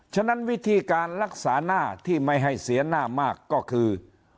ฉะนั้นวิธีการรักษาหน้าที่ไม่ให้เสียหน้ามากก็คือ